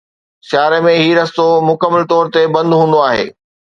سياري ۾ هي رستو مڪمل طور تي بند هوندو آهي